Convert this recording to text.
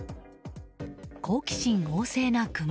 好奇心旺盛なクマ。